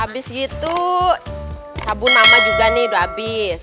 abis gitu sabun mama juga nih udah abis